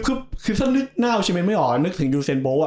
คือถ้าหนึ่งหน้าโอชิเมนไม่เหรอนึกถึงยูเซชน์โบ้อ่ะ